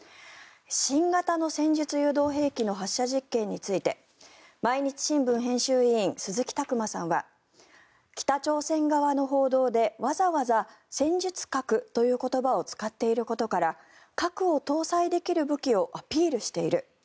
新型の戦術誘導兵器の発射実験について毎日新聞編集委員鈴木琢磨さんは北朝鮮側の報道でわざわざ戦術核という言葉を使っていることから格を搭載できる武器をアピールしている。